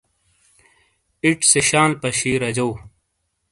ایڇ سے شال پشی رجو ۔